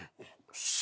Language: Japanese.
よし。